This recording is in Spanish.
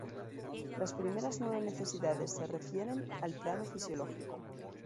Las primeras nueve necesidades se refieren al plano fisiológico.